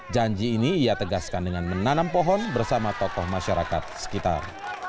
janji ini ia tegaskan dengan menanam pohon bersama tokoh masyarakat sekitar